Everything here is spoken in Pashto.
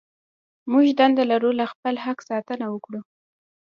موږ دنده لرو له خپل حق ساتنه وکړو.